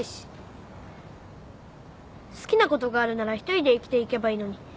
好きなことがあるなら一人で生きていけばいいのに。